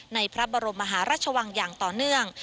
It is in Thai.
พระบรมมหาราชวังอย่างต่อเนื่อง